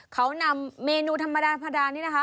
เขานำเมนูธรรมดาพระดานี่นะคะ